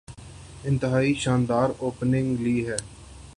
انتہائی شاندار اوپننگ لی ہے۔